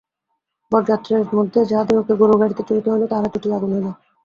বরযাত্রের মধ্যে যাহাদিগকে গোরুর গাড়িতে চড়িতে হইল তাহারা চটিয়া আগুন হইল।